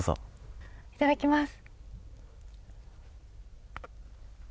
いただきます。